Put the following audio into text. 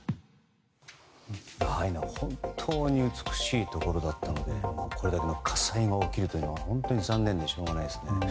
ハワイは本当に美しいところだったのでこれだけの火災が起きるのは残念でしょうがないですね。